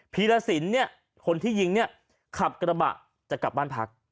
ผีลสินคนที่ยิงขับกระบะจะกลับบ้านพัก